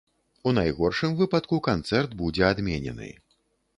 У найгоршым выпадку канцэрт будзе адменены.